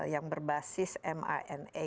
yang berbasis mrna